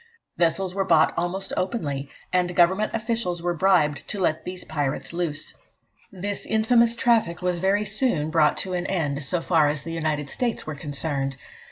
Vessels were bought almost openly, and Government officials were bribed to let these pirates loose. This infamous traffic was very soon brought to an end, so far as the United States were concerned.